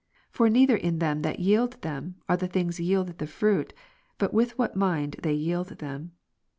For neither in them that ^^ yield them, are the things yielded the fruit, but with what Rom. mind they yield them.